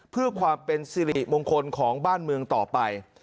เพื่อความเป็นสิริมงคลของบ้านเมืองต่อไป